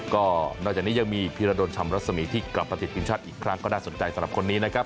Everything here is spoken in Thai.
ก็นอกจากนี้ยังมีพิรดลชำรัศมีที่กลับมาติดทีมชาติอีกครั้งก็น่าสนใจสำหรับคนนี้นะครับ